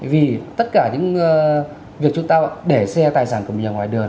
vì tất cả những việc chúng ta để xe tài sản của nhà ngoài đường